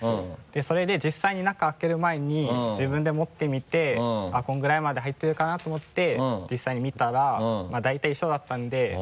それで実際に中開ける前に自分で持ってみてこれぐらいまで入ってるかなと思って実際に見たらまぁ大体一緒だったんで。